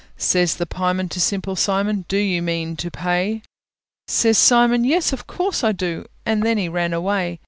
Says the pieman to Simple Simon, "Do you mean to pay?" Says Simon, "Yes, of course I do!" And then he ran away.